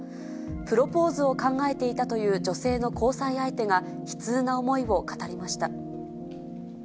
プロポーズを考えていたという女性の交際相手が、悲痛な思いを語りました。